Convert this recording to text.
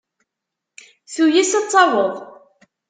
Tuyes ad taweḍ.